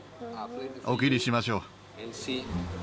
お切りしましょう。